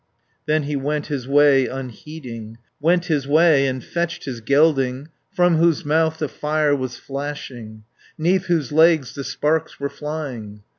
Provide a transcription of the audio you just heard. Then he went his way unheeding, Went his way, and fetched his gelding, From whose mouth the fire was flashing, 'Neath whose legs the sparks were flying.